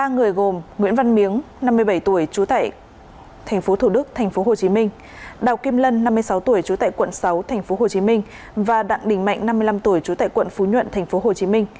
ba người gồm nguyễn văn miếng năm mươi bảy tuổi trú tại tp thủ đức tp hcm đào kim lân năm mươi sáu tuổi trú tại quận sáu tp hcm và đặng đình mạnh năm mươi năm tuổi trú tại quận phú nhuận tp hcm